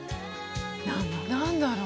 何だろう？